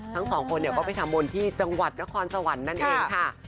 ทั้งสองคนก็ไปทำบุญที่จังหวัดนครสวรรค์นั่นเองค่ะ